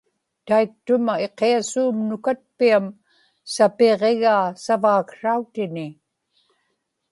taiktuma iqiasuum nukatpiam sapiġigaa savaaksrautini